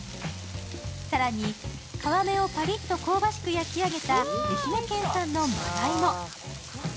更に皮目をパリッと香ばしく焼き上げた愛媛県産の真鯛も。